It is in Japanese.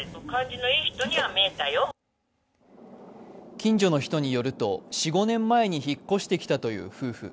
近所の人によると、４５年前に引っ越してきたという夫婦。